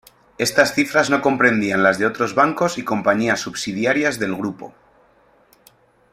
Estas cifras no comprendían las de otros bancos y compañías subsidiarias del Grupo.